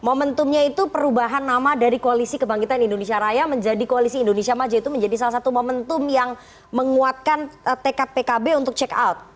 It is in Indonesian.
momentumnya itu perubahan nama dari koalisi kebangkitan indonesia raya menjadi koalisi indonesia maju itu menjadi salah satu momentum yang menguatkan tekad pkb untuk check out